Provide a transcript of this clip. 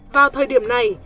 vào thời điểm này